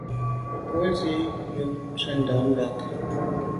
Bontse yàm kùmte ntshundà bag.